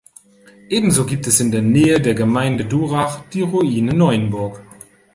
Ebenso gibt es in der Nähe der Gemeinde Durach die Ruine Neuenburg.